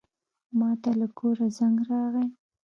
ماته له کوره زنګ راغی.